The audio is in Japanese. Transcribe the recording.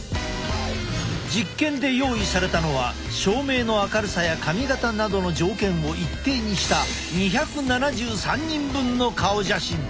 実験で用意されたのは照明の明るさや髪形などの条件を一定にした２７３人分の顔写真。